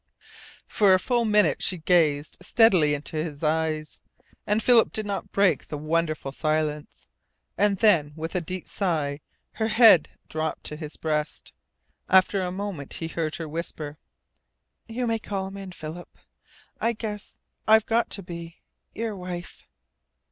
For a full minute she gazed steadily into his eyes, and Philip did not break the wonderful silence. And then, with a deep sigh, her head drooped to his breast. After a moment he heard her whisper: "You may call him in, Philip. I guess I've got to be your wife."